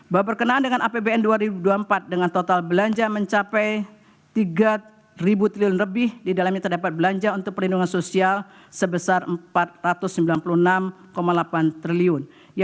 bahwa berkenaan dengan apbn dua ribu dua puluh empat dengan total belanja mencapai rp tiga triliun lebih di dalamnya terdapat belanja untuk perlindungan sosial sebesar rp empat ratus sembilan puluh enam delapan triliun